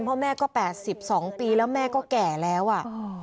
พ่อแม่ก็๘๒ปีแล้วแม่ก็แก่แล้วอ่ะ